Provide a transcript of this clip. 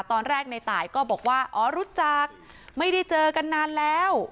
ตอนแรกในตายก็บอกว่าอ๋อรู้จักไม่ได้เจอกันนานแล้ว